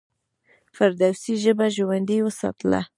فردوسي ژبه ژوندۍ وساتله.